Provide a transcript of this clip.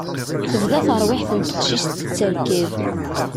Tebda terwiḥt n teqcict tettarkad.